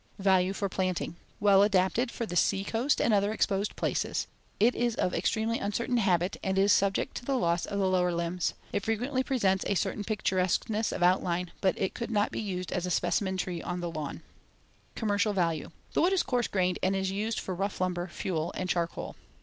Value for planting: Well adapted for the sea coast and other exposed places. It is of extremely uncertain habit and is subject to the loss of the lower limbs. It frequently presents a certain picturesqueness of outline, but it could not be used as a specimen tree on the lawn. [Illustration: FIG. 5. The Pitch Pine.] Commercial value: The wood is coarse grained and is used for rough lumber, fuel, and charcoal.